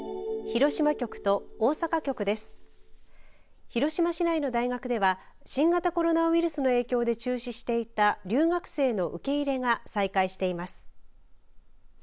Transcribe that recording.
広島市内の大学では新型コロナウイルスの影響で中止していた留学生の受け入れが再開しています。